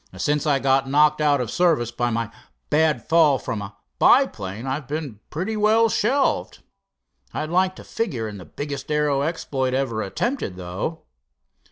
"Since I got knocked out of service by my bad fall from a biplane, I've been pretty well shelved. I'd like to figure in the biggest aero exploit ever attempted, though."